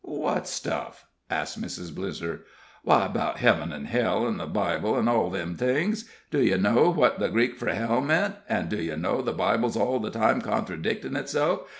"What stuff?" asked Mrs. Blizzer. "Why, 'bout heaven an' hell, an' the Bible, an' all them things. Do ye know what the Greek fur hell meant? An' do ye know the Bible's all the time contradictin' itself?"